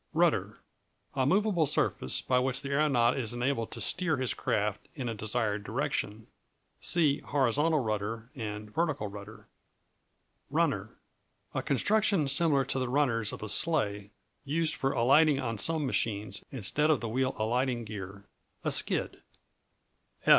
Rudder A movable surface by which the aeronaut is enabled to steer his craft in a desired direction. See Horizontal Rudder and Vertical Rudder. Runner A construction similar to the runners of a sleigh, used for alighting on some machines, instead of the wheel alighting gear; a skid.